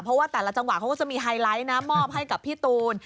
เพราะว่าแต่ละจังหวัดเขาก็จะมีไฮไลท์นะมอบให้กับพี่ตูน